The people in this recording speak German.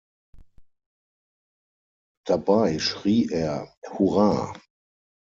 Dabei schrie er „Hurra“.